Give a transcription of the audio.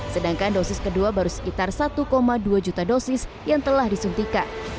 sedangkan dosis kedua baru sekitar satu dua juta dosis yang telah disuntikan